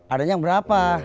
adanya yang berapa